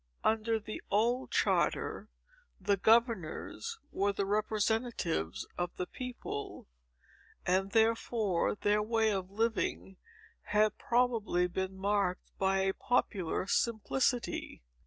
Under the old charter, the governors were the representatives of the people, and therefore their way of living had probably been marked by a popular simplicity.